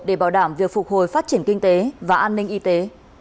để bảo đảm việc phục hồi phát triển kinh tế và an ninh y tế